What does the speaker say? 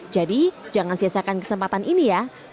jadi jangan siesakan kesempatan ini ya